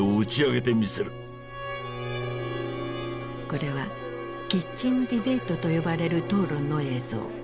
これはキッチン・ディベートと呼ばれる討論の映像。